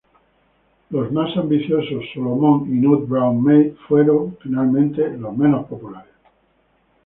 Los más ambiciosos, "Solomon" y "Nut-Brown Maid" fueron finalmente los menos populares.